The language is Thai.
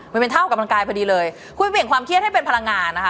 มันเป็นเท่ากับกำลังกายพอดีเลยคุณเปลี่ยนความเครียดให้เป็นพลังงานนะคะ